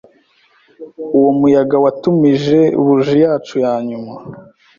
Uwo muyaga watumije buji yacu ya nyuma.